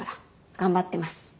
頑張ってます。